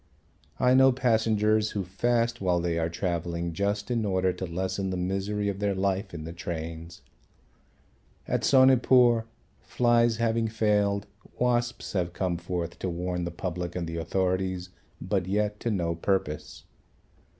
I know passengers who fast while they are travelling just in order to lessen the misery of their life in the trains. At Sonepur flies having failed, wasps have come forth to warn the public and the authorities, but yet to no purpose.